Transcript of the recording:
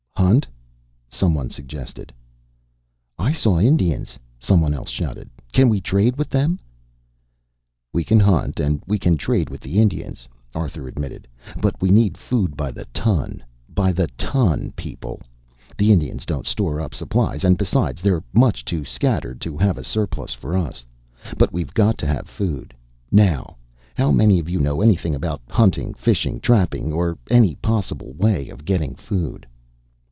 "Hunt?" some one suggested. "I saw Indians," some one else shouted. "Can we trade with them?" "We can hunt and we can trade with the Indians," Arthur admitted, "but we need food by the ton by the ton, people! The Indians don't store up supplies, and, besides, they're much too scattered to have a surplus for us. But we've got to have food. Now, how many of you know anything about hunting, fishing, trapping, or any possible way of getting food?"